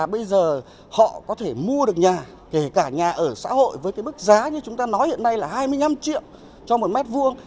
bây giờ họ có thể mua được nhà kể cả nhà ở xã hội với cái mức giá như chúng ta nói hiện nay là hai mươi năm triệu cho một mét vuông